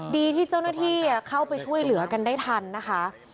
ดีที่เจ้าหน้าที่เข้าไปช่วยเหลือกันได้ทันนะคะ